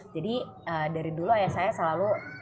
jadi dari dulu ya saya selalu